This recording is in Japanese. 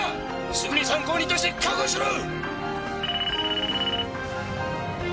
すぐに参考人として確保しろ！